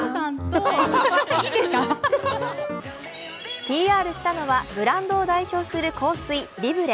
ＰＲしたのはブランドを代表する香水・ＬＩＢＲＥ。